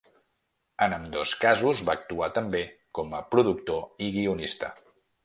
En ambdós casos va actuar també com a productor i guionista.